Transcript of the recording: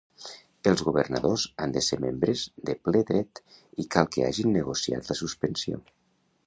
Els governadors han de ser membres de ple dret i cal que hagin negociat la suspensió.